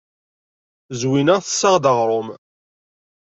Zwina tessaɣ-d aɣrum.